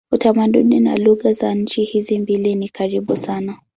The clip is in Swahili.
Utamaduni na lugha za nchi hizi mbili ni karibu sana.